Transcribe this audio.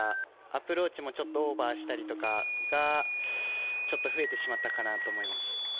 アプローチもちょっとオーバーしたりとかが増えてしまったかなと思います。